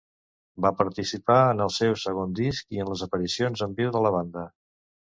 Va participar en el seu segon disc i en les aparicions en viu de la banda.